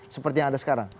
seperti yang ada sekarang